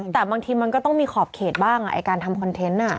แต่บางทีมันก็ต้องมีขอบเขตบ้างการทำคอนเทนต์